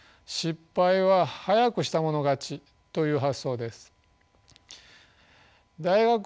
「失敗は早くしたもの勝ち」という発想です。